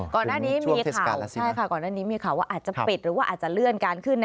ก่อนหน้านี้นะมีข่าวพฤศกัณฑ์ซีนำว่าอาจจะปิดอาจจะเรื่องการขึ้น